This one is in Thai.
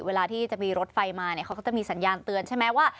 เวลาที่จะมีรถไฟมาเนี่ยเขาก็จะมีสัญญาณเตือนใช่ไหมว่า